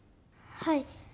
はい。